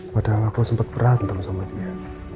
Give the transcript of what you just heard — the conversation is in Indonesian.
padahal aku sempat berantem sama dia